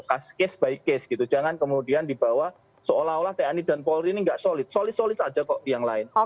cast case by case gitu jangan kemudian dibawa seolah olah tni dan polri ini nggak solid solid solid saja kok yang lain